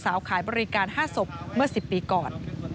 ขายบริการ๕ศพเมื่อ๑๐ปีก่อน